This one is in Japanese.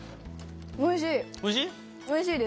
おいしい？